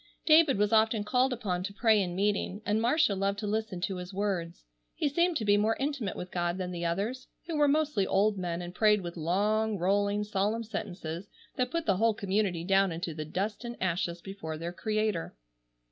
David was often called upon to pray in meeting and Marcia loved to listen to his words. He seemed to be more intimate with God than the others, who were mostly old men and prayed with long, rolling, solemn sentences that put the whole community down into the dust and ashes before their Creator.